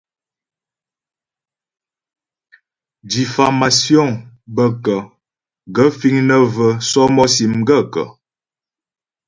Diffámásyoŋ bə kə́ ? Gaə̂ fíŋ nə́ və̂ sɔ́mɔ́sì m gaə̂kə́ ?